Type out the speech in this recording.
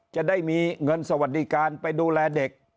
จะได้มีเงินสวัสดิการไปดูแลเด็ก